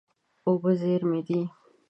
اوبه زېرمې دي.